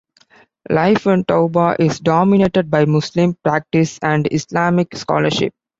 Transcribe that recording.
Life in Touba is dominated by Muslim practice and Islamic scholarship.